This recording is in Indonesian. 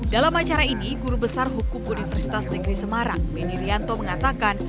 dalam acara ini guru besar hukum universitas negeri semarang benny rianto mengatakan